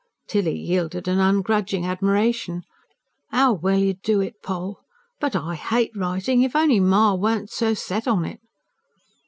Tilly yielded an ungrudging admiration. "'Ow well you do it, Poll! But I HATE writing. If only ma weren't so set on it!"